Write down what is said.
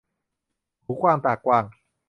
หูกว้างตากว้าง